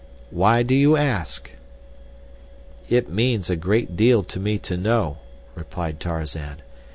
"Why do you ask?" "It means a great deal to me to know," replied Tarzan.